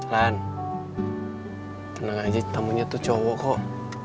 tenang aja tamunya tuh cowok kok